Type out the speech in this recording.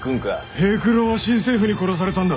平九郎は新政府に殺されたんだ！